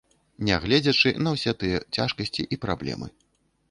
Нягледзячы на ўсе тыя цяжкасці і праблемы.